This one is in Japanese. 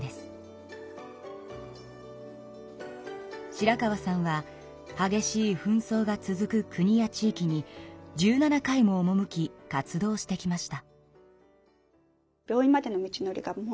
白川さんははげしいふん争が続く国や地いきに１７回もおもむき活動してきました。